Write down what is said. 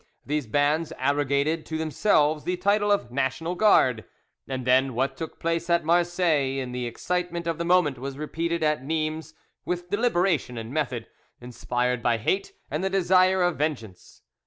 These bands arrogated to themselves the title of National Guard, and then what took place at Marseilles in the excitement of the moment was repeated at Nimes with deliberation and method, inspired by hate and the desire of vengeance.